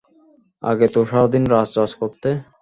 আগে তো সারাদিন রাজ রাজ করতে।